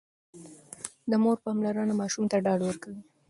د مور پاملرنه ماشوم ته ډاډ ورکوي.